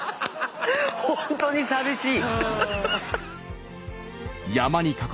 本当に寂しい。